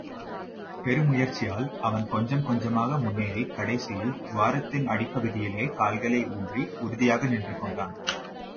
பெருமுயற்சியால் அவன் கொஞ்சம் கொஞ்சமாக முன்னேறிக் கடைசியில் துவாரத்தின் அடிப்பகுதியிலே கால்களை ஊன்றி உறுதியாக நின்றுகொண்டான்.